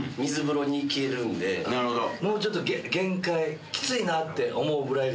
もうちょっと限界キツいなって思うぐらいがいい？